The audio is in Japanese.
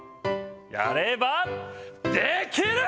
やればできる！